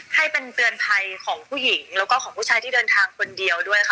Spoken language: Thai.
ให้เป็นเตือนภัยของผู้หญิงแล้วก็ของผู้ชายที่เดินทางคนเดียวด้วยค่ะ